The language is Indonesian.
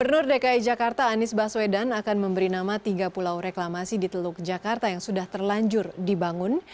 gubernur dki jakarta anies baswedan akan memberi nama tiga pulau reklamasi di teluk jakarta yang sudah terlanjur dibangun